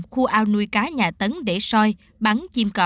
khu ao nuôi cá nhà tấn